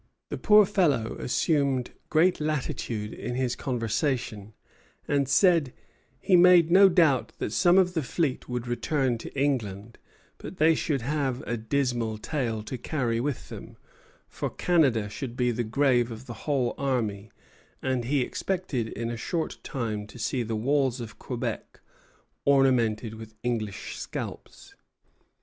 The poor fellow assumed great latitude in his conversation, and said 'he made no doubt that some of the fleet would return to England, but they should have a dismal tale to carry with them; for Canada should be the grave of the whole army, and he expected in a short time to see the walls of Quebec ornamented with English scalps.'